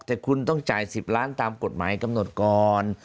แต่คุณต้องจ่าย๑๐ล้านตามกฎหมายกำหนดก่อน